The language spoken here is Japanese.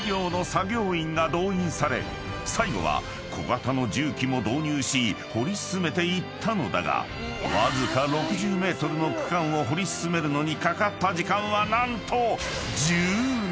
［最後は小型の重機も導入し掘り進めていったのだがわずか６０ｍの区間を掘り進めるのにかかった時間は何と］